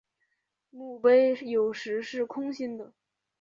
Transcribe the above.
墓碑有时是空心的。